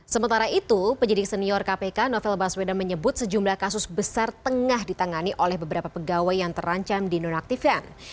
sementara itu penyidik senior kpk novel baswedan menyebut sejumlah kasus besar tengah ditangani oleh beberapa pegawai yang terancam dinonaktifkan